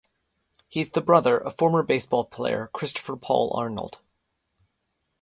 He is the brother of former baseball player Christopher Paul Arnold.